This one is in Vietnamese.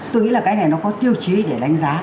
tôi nghĩ là cái này nó có tiêu chí để đánh giá